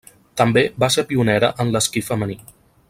També va ser pionera en l'esquí femení.